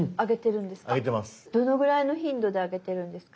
どのぐらいの頻度であげてるんですか？